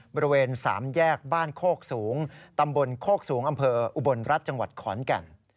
บริเวณ๓แยกบ้านโคกสูงตำบลโคกสูงอำเภออุบลรัฐจังหวัดขอนแก่น